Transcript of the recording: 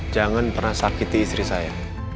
jangan pernah sakiti istri saya